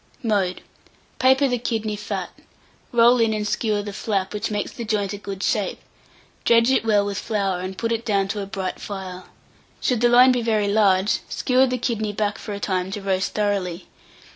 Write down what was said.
Mode. Paper the kidney fat; roll in and skewer the flap, which makes the joint a good shape; dredge it well with flour, and put it down to a bright fire. Should the loin be very large, skewer the kidney back for a time to roast thoroughly.